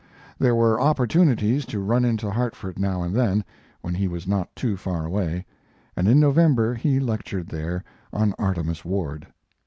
There were opportunities to run into Hartford now and then, when he was not too far away, and in November he lectured there on Artemus Ward.